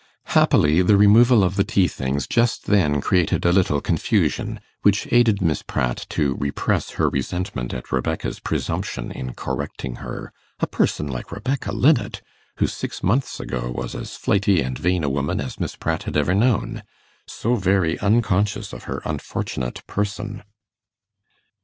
Happily the removal of the tea things just then created a little confusion, which aided Miss Pratt to repress her resentment at Rebecca's presumption in correcting her a person like Rebecca Linnet! who six months ago was as flighty and vain a woman as Miss Pratt had ever known so very unconscious of her unfortunate person!